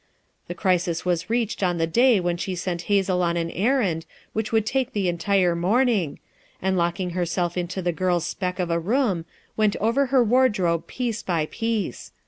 The crisis was reached on the day that she sent Hazel on an errand which would take the entire morning, and locking herself into the girl's speck of a room, went over her wardrobe piece by piece.